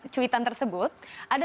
cuitan tersebut ada